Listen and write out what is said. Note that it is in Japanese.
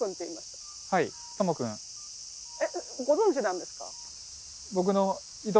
えっご存じなんですか？